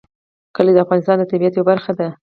کلي د افغانستان د طبیعت یوه برخه ده.